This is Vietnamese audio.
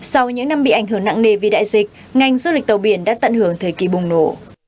sau những năm bị ảnh hưởng nặng nề vì đại dịch ngành du lịch tàu biển đã tận hưởng thời kỳ bùng nổ